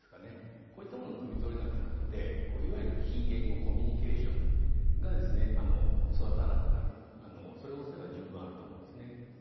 そういうものをくみ取れなくなって、いわゆる非言語コミュニケーションが育たなくなるその可能性が十分あると思うんですね。